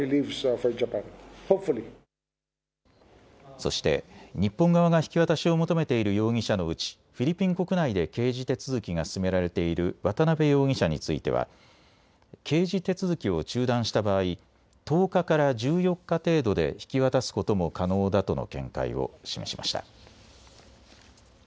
そして日本側が引き渡しを求めている容疑者のうちフィリピン国内で刑事手続きが進められている渡邉容疑者については刑事手続きを中断した場合１０日から１４日程度で引き渡すことも可能だとの見解を示しました。